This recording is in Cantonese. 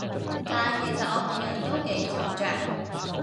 但其實我份人都幾沉着